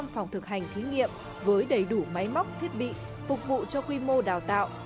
một trăm phòng thực hành thí nghiệm với đầy đủ máy móc thiết bị phục vụ cho quy mô đào tạo